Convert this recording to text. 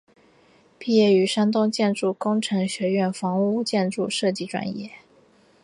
毕业于山东建筑工程学院房屋建筑设计专业。